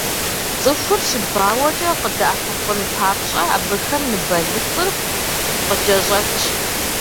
Цӏыхур щыбауэкӏэ къыдэӏэпыкъун папщӏэ, абыхэм ныбэлыцӏыр къыкӏэщӏэтщ.